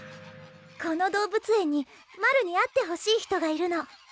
この動物園にマルに会ってほしい人がいるの。